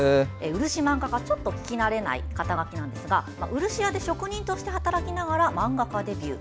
漆漫画家、ちょっと聞き慣れない肩書ですが漆屋で職人として働きながら漫画化デビュー。